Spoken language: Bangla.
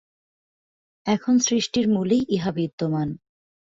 এখন সৃষ্টির মূলেই ইহা বিদ্যমান।